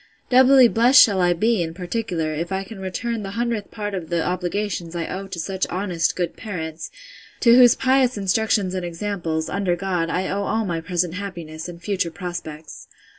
Doubly blest shall I be, in particular, if I can return the hundredth part of the obligations I owe to such honest good parents, to whose pious instructions and examples, under God, I owe all my present happiness, and future prospects.